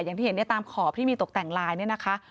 อย่างที่เห็นเนี่ยตามขอบที่มีตกแต่งลายเนี่ยนะคะ